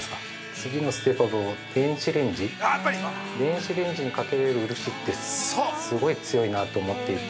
◆次のステップは電子レンジ電子レンジにかけれる漆ってすごい強いなと思っていて。